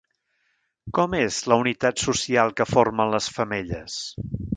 Com és la unitat social que formen les femelles?